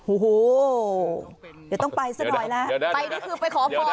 โอ้โหเดี๋ยวต้องไปสักหน่อยแล้วไปนี่คือไปขอพรเหรอคะ